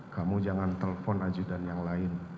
kamu jangan telpon aja dan yang lain